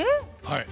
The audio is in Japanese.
はい。